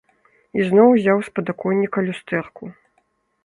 Ізноў узяў з падаконніка люстэрку.